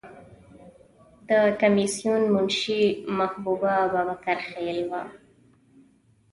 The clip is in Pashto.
د کمیسیون منشی محبوبه بابکر خیل وه.